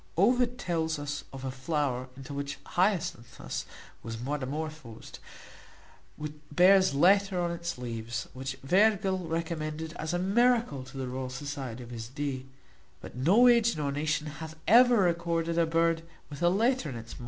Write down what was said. Ovid tells us of a flower into which Hyacinthus was metamorphosed, that bears letters on its leaves, which Virgil recommended as a miracle to the Royal Society of his day; but no age nor nation hath ever recorded a bird with a letter in its maw.